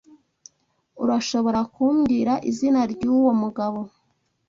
Urashobora kumbwira izina ryuwo mugabo?